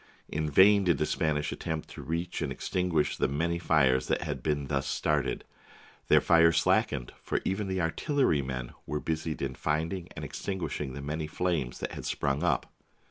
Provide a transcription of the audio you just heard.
In vain did the Spanish attempt to reach and extinguish the many fires that had been thus started. Their fire slackened, for even the artillerymen were busied in finding and extinguishing the many flames that had sprung up.